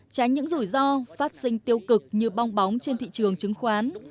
tránh những rủi ro phát sinh tiêu cực như bong bóng trên thị trường chứng khoán